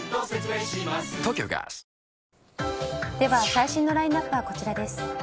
最新のラインアップはこちらです。